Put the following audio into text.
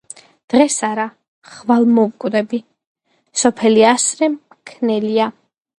დღეს არა, ხვალე მოვკვდები, სოფელი ასრე მქმნელია